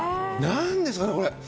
何ですかね、これ。